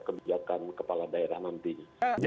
kebijakan kepala daerah nantinya